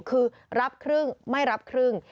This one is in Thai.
คือรับครึ่งไม่รับครึ่ง